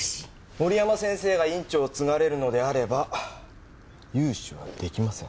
森山先生が院長を継がれるのであれば融資は出来ません。